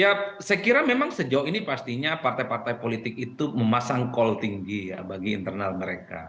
ya saya kira memang sejauh ini pastinya partai partai politik itu memasang call tinggi ya bagi internal mereka